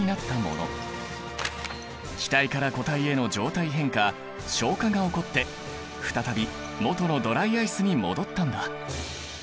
気体から固体への状態変化昇華が起こって再びもとのドライアイスに戻ったんだ。